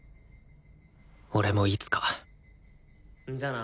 俺もいつかじゃあな。